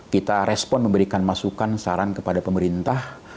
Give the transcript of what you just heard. kita respon memberikan masukan saran kepada pemerintah